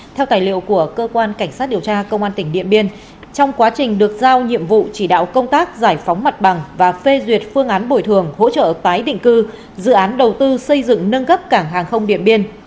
theo tài liệu của cơ quan cảnh sát điều tra công an tỉnh điện biên trong quá trình được giao nhiệm vụ chỉ đạo công tác giải phóng mặt bằng và phê duyệt phương án bồi thường hỗ trợ tái định cư dự án đầu tư xây dựng nâng cấp cảng hàng không điện biên